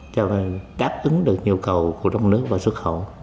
cho đáp ứng được nhu cầu của đông nước và xuất khẩu